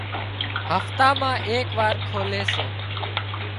هفتا مان ايڪ وار کولي سي